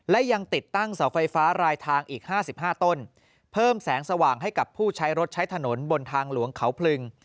และยังติดตั้งเสาไฟฟ้ารายทางอีก๕๕ต้นเพิ่มแสงสว่างให้กับผู้ใช้รถใช้ถนนบนทางหลวงเขาพลึง